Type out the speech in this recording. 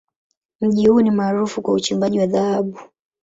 Mji huu ni maarufu kwa uchimbaji wa dhahabu.